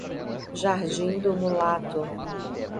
Jardim do Mulato